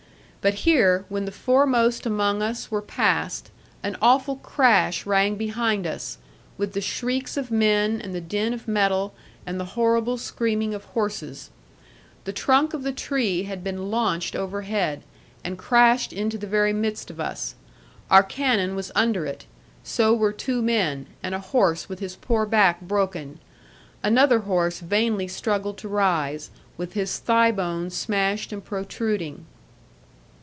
But here, when the foremost among us were past, an awful crash rang behind us, with the shrieks of men, and the din of metal, and the horrible screaming of horses. The trunk of the tree had been launched overhead, and crashed into the very midst of us. Our cannon was under it, so were two men, and a horse with his poor back broken. Another horse vainly struggled to rise, with his thigh bone smashed and protruding.